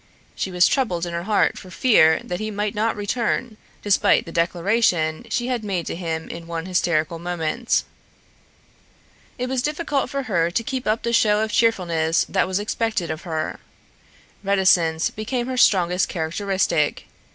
She was troubled in her heart for fear that he might not return, despite the declaration she had made to him in one hysterical moment. It was difficult for her to keep up the show of cheerfulness that was expected of her. Reticence became her strongest characteristic.